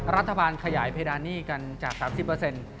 รัฐบาลขยายเพดานี่กันจากสามสิบเปอร์เซ็นต์